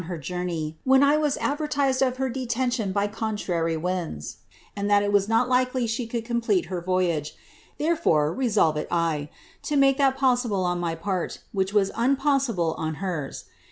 351 her journey, when I was advertised of her detention by contrary winds, and that it was not likely she could complete her voyage ; therefore, resoivit I, to make that possible on my part, which was unpossible on hers.